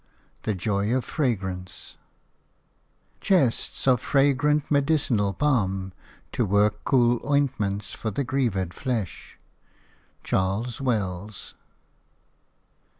THE JOY OF FRAGRANCE "Chests of fragrant medicinal balm To work cool ointments for the grievèd flesh." CHARLES WELLS.